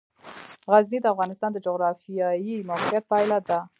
غزني د افغانستان د جغرافیایي موقیعت پایله ده.